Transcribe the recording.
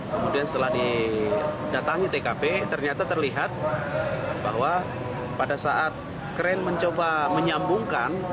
kemudian setelah didatangi tkp ternyata terlihat bahwa pada saat kren mencoba menyambungkan